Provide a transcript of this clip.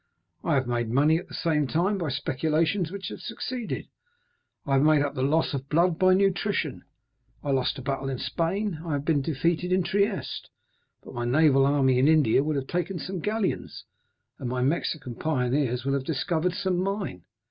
"I have made money at the same time by speculations which have succeeded. I have made up the loss of blood by nutrition. I lost a battle in Spain, I have been defeated in Trieste, but my naval army in India will have taken some galleons, and my Mexican pioneers will have discovered some mine."